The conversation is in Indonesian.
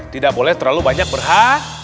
tidak boleh terlalu banyak berhak